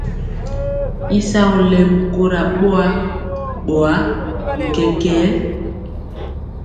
Y sagɔ lɛmi kora boa, boa bi kɛkɛɛ.